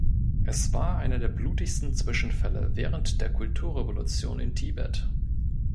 Es war einer der blutigsten Zwischenfälle während der Kulturrevolution in Tibet.